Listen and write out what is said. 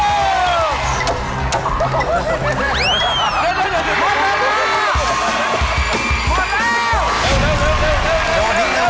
หมดแล้ว